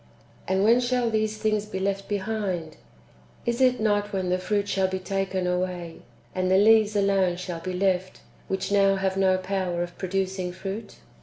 ^ And when shall these things be left be hind ? Is it not when the fruit shall be taken away, and the leaves alone shall be left, which now have no power of pro ducing fruit